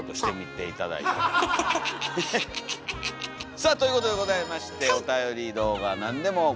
さあということでございましておたより動画何でも募集しております。